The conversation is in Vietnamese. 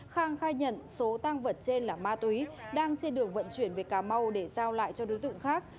khang khai nhận số tang vật trên là ma túy đang trên đường vận chuyển về cà mau để giao lại cho đối tượng khác